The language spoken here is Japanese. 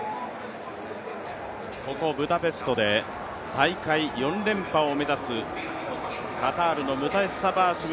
ここブダペストで大会４連覇を目指すカタールのムタエッサ・バーシム。